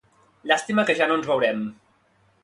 Llàstima que ja no ens veurem